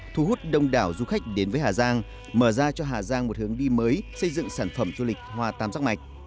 thu hút đông đảo du khách đến với hà giang mở ra cho hà giang một hướng đi mới xây dựng sản phẩm du lịch hòa tam giác mạch